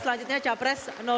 selanjutnya capres dua